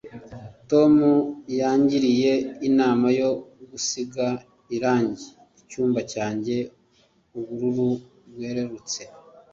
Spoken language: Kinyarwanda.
Tom yangiriye inama yo gusiga irangi icyumba cyanjye ubururu bwerurutse.